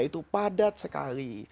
itu padat sekali